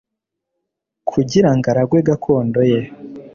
kugirango aragwe gakondo ye